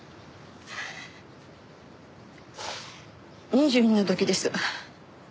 ２２の時です。